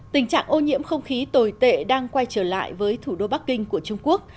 tình trạng ô nhiễm không khí tồi tệ đang quay trở lại với thủ đô bắc kinh của trung quốc